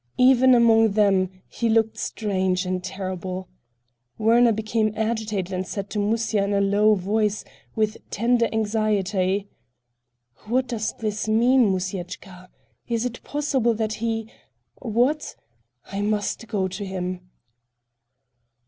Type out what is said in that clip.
Even among them, he looked strange and terrible. Werner became agitated and said to Musya in a low voice, with tender anxiety: "What does this mean, Musyechka? Is it possible that he—— What? I must go to him."